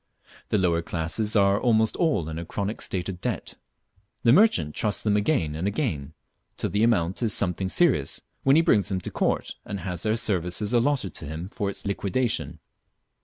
The lower classes are almost all in a chronic state of debt. The merchant trusts them again and again, till the amount is something serious, when he brings them to court and has their services allotted to him for its liquidation.